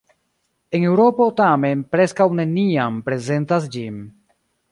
En Eŭropo tamen preskaŭ neniam prezentas ĝin.